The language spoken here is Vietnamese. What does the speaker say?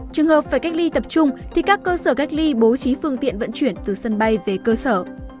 trường hợp phải cách ly tập trung thì các cơ sở cách ly bố trí phương tiện vận chuyển từ sân bay về cơ sở